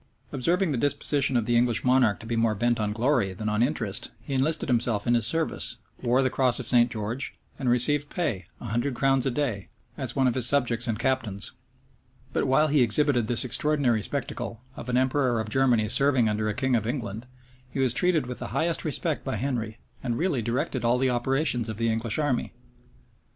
Observing the disposition of the English monarch to be more bent on glory than on interest, he enlisted himself in his service, wore the cross of St. George, and received pay, a hundred crowns a day, as one of his subjects and captains. But while he exhibited this extraordinary spectacle, of an emperor of Germany serving under a king of England, he was treated with the highest respect by Henry, and really directed all the operations of the English army. * Polyd. Virg. lib.